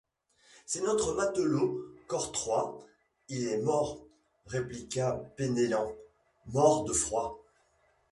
C’est notre matelot Cortrois! — Il est mort, répliqua Penellan, mort de froid !